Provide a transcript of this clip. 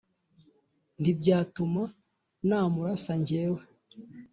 ntibyatuma namurasa njyewe